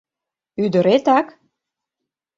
Ӱдыретак?